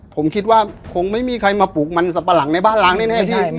ผมคิดว่าคงไม่มีใครมาปลูกมันสับปะหลังในบ้านล้างแน่